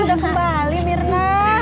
udah kembali mirna